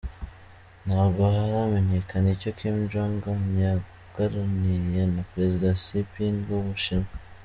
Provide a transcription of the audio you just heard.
Ntabwo haramenyekana icyo Kim Jong un yaganiriye na Perezida Xi Ping w’ Ubushinwa.